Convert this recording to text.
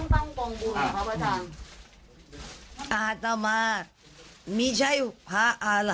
แม่ของแม่ชีอู๋ได้รู้ว่าแม่ของแม่ชีอู๋ได้รู้ว่า